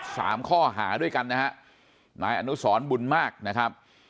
สามข้อหาด้วยกันนะฮะนายอนุสรบุญมากนะครับ